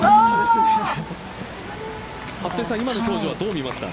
今の表情はどう見ますか？